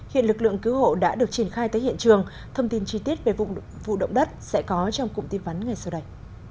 hiện lực lượng cứu hộ đã được triển khai tới hiện trường thông tin chi tiết về vụ động đất sẽ có trong cụm tin vắn ngay sau đây